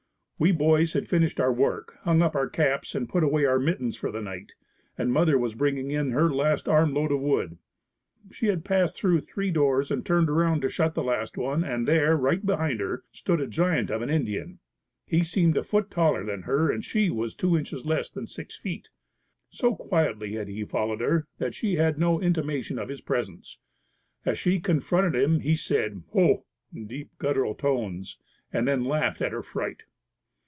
We boys had finished our work, hung up our caps and put away our mittens for the night and mother was bringing in her last arm load of wood. She had passed through three doors and turned around to shut the last one and there, right behind her, stood a giant of an Indian. He seemed a foot taller than her and she was two inches less than six feet. So quietly had he followed her that she had no intimation of his presence. As she confronted him he said, "Ho" in deep, guttural tones, and then laughed at her fright.